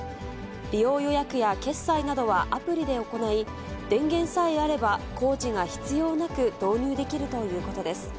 利用予約や決済などはアプリで行い、電源さえあれば、工事が必要なく、導入できるということです。